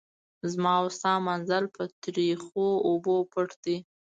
زما او ستا منزل په تریخو اوبو پټ دی.